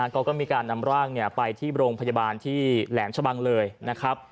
ก็มีการนำร่างไปที่โรงพยาบาลที่แหลมชะบังเลยนะครับ